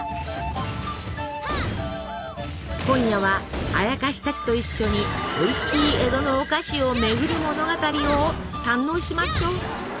今夜はあやかしたちと一緒においしい江戸のお菓子を巡る物語を堪能しましょう。